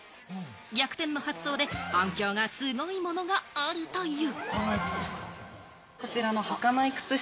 逆転の発想で反響がすごいものがあるという。